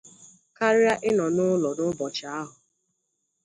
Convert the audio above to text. karịa ịnọ n'ụlọ ụbọchị ahụ.